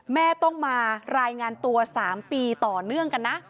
แม่ต้องมารายงานตัว๓ปีต่อเนื่องกันนะ